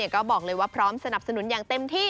ก็บอกเลยว่าพร้อมสนับสนุนอย่างเต็มที่